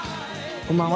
こんばんは。